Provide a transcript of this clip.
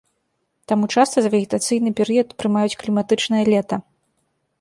Таму часта за вегетацыйны перыяд прымаюць кліматычнае лета.